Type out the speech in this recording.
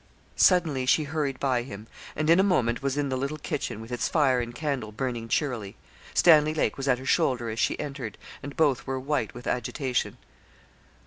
Suddenly she hurried by him, and in a moment was in the little kitchen, with its fire and candle burning cheerily. Stanley Lake was at her shoulder as she entered, and both were white with agitation.